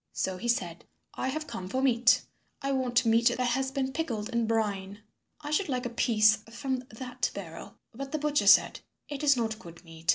So he said, "I have come for meat. I want meat that has been pickled in brine. I should like a piece from that barrel." But the butcher said, "It is not good meat.